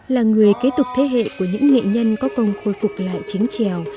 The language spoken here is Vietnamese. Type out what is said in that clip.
là người kế tục thế hệ của những nghệ nhân có công khôi phục lại chính trèo